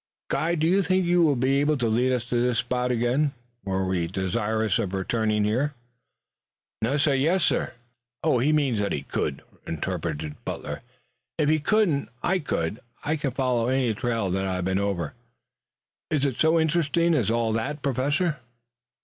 "Guide, do you think you would be able to lead us to this spot again were we desirous of returning here?" "Nassir, yassir." "He means that he could," interpreted Butler. "If he couldn't I could. I can follow any trail that I have been over. Is it so interesting as all that, Professor?"